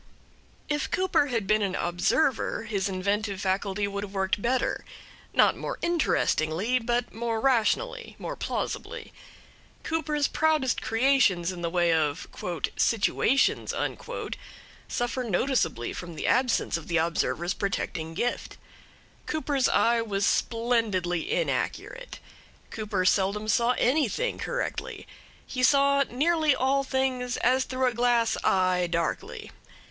If Cooper had been an observer his inventive faculty would have worked better; not more interestingly, but more rationally, more plausibly. Cooper's proudest creations in the way of "situations" suffer noticeably from the absence of the observer's protecting gift. Cooper's eye was splendidly inaccurate. Cooper seldom saw anything correctly. He saw nearly all things as through a glass eye, darkly.